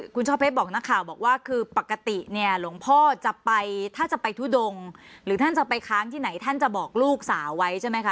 คุณช่อเพชรบอกนักข่าวบอกว่าคือปกติเนี่ยหลวงพ่อจะไปถ้าจะไปทุดงหรือท่านจะไปค้างที่ไหนท่านจะบอกลูกสาวไว้ใช่ไหมคะ